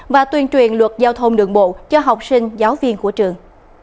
và tuyên truyền luật giao thông đường bộ cho học sinh giáo viên của trường